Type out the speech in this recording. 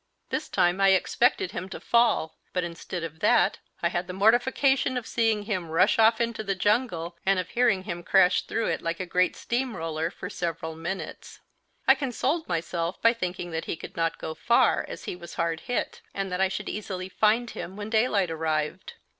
This time I expected him to fall; but instead of that I had the mortification of seeing him rush off into the jungle and of hearing him crash through it like a great steam roller for several minutes. I consoled myself by thinking that he could not go far, as he was hard hit, and that I should easily find him when daylight arrived.